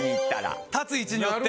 こう立つ位置によって。